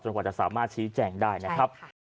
กว่าจะสามารถชี้แจงได้นะครับ